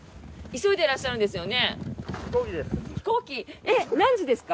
急いでらっしゃるんですよね？